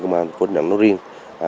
công an thành phố đà nẵng nói riêng